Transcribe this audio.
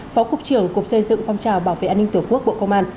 phó cục trưởng cục xây dựng phong trào bảo vệ an ninh tổ quốc bộ công an